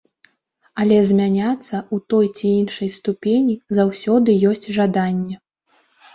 Але змяняцца ў той ці іншай ступені заўсёды ёсць жаданне.